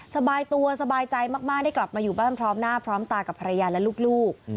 สบายตัวสบายใจมากได้กลับมาอยู่บ้านพร้อมหน้าพร้อมตากับภรรยาและลูก